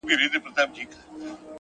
• که به ډنډ ته د سېلۍ په زور رسېږم,